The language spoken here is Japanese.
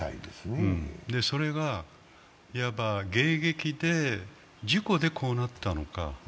それがいわば迎撃で、事故でこうなったのか。